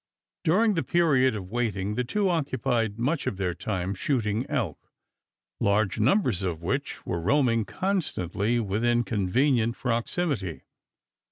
During the period of waiting the two occupied much of their time shooting elk, large numbers of which were roaming constantly within convenient proximity.